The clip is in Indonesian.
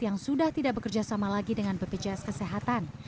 yang sudah tidak bekerjasama lagi dengan bpjs kesehatan